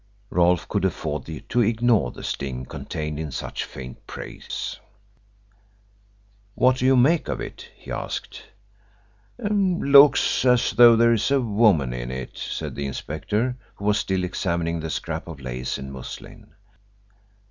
Rolfe could afford to ignore the sting contained in such faint praise. "What do you make of it?" he asked. "Looks as though there is a woman in it," said the inspector, who was still examining the scrap of lace and muslin.